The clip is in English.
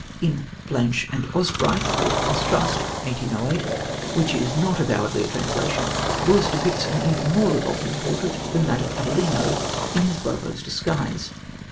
In Blanche and Osbright, or Mistrust (1808), which is not avowedly a translation, Lewis depicts an even more revolting portrait than that of Abellino in his bravo's disguise.